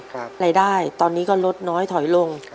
รายได้ตอนนี้ก็ลดน้อยถอยลง